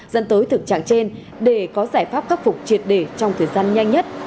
dẫn tới thực trạng trên để có giải pháp khắc phục triệt để trong thời gian nhanh nhất